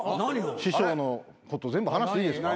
師匠のこと全部話していいですか？